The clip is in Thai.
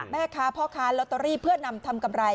แม่ค้าพ่อค้าลอตเตอรี่เพื่อนำทำกำไร